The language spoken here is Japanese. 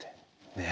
ねえ。